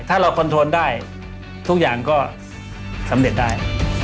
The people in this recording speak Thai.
ถ้าเราคอนโทนได้ทุกอย่างก็สำเร็จได้